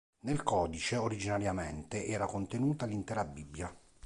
Nel codice originariamente era contenuta l'intera Bibbia.